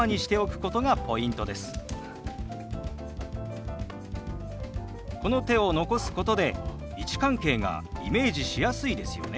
この手を残すことで位置関係がイメージしやすいですよね。